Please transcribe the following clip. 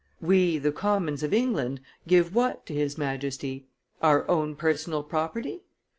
We, the Commons of England, give what to his Majesty! Our own personal property?